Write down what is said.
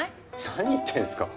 何言ってんすか？